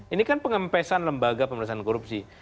ini kan pengempesan lembaga pemerintahan korupsi